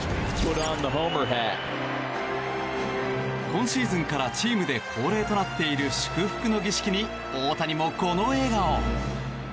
今シーズンからチームで恒例となっている祝福の儀式に大谷もこの笑顔。